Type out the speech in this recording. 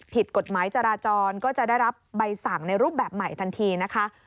ผิดกฎหมายจราจรก็จะได้รับใบสั่งในรูปแบบใหม่ทันทีนะคะ